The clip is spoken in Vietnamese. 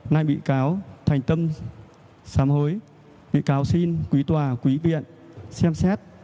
ngay bị cáo thành tâm xám hối bị cáo xin quý tòa quý viện xem xét